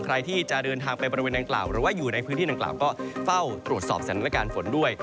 ใครที่จะเดินทางไปบริเวณนางกล่าวหรือว่าอยู่ในพื้นที่ดังกล่าวก็เฝ้าตรวจสอบสถานการณ์ฝนด้วย